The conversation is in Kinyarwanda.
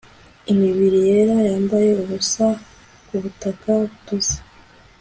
Imibiri yera yambaye ubusa kubutaka butose